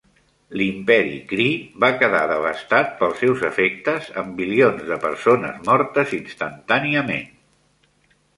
L'imperi Kree va quedar devastat pels seus efectes, amb bilions de persones mortes instantàniament.